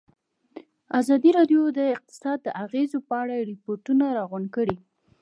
ازادي راډیو د اقتصاد د اغېزو په اړه ریپوټونه راغونډ کړي.